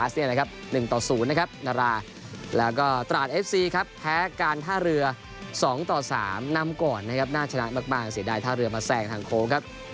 เอาชนะบ้านค่ายอยู่ในเต็ดไป๔ตอน๑